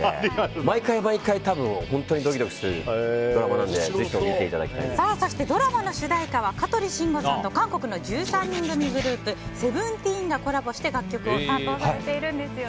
毎回、毎回ドキドキするドラマでそして、ドラマの主題歌は香取慎吾さんと韓国の１３人グループＳＥＶＥＮＴＥＥＮがコラボして楽曲を担当されているんですね。